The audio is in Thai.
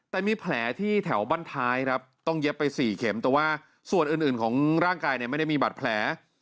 แต่มีแผลที่แถวบ้านท้ายครับต้องเย็บไป๔เข็มแต่ว่าส่วนอื่นของร่างกายเนี่ยไม่ได้มีบาดแผล